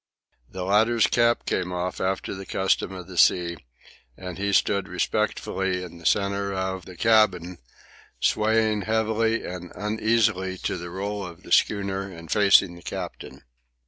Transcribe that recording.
The latter's cap came off after the custom of the sea, and he stood respectfully in the centre of the cabin, swaying heavily and uneasily to the roll of the schooner and facing the captain.